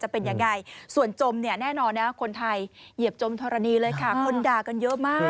ไปเหยียบจมธรณีเลยค่ะคนด่ากันเยอะมาก